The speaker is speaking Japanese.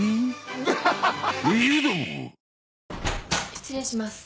⁉失礼します。